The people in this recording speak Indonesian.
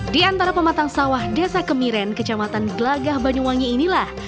di antara pematang sawah desa kemiren kecamatan gelagah banyuwangi inilah